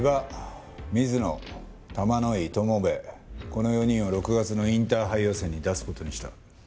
この４人を６月のインターハイ予選に出す事にした。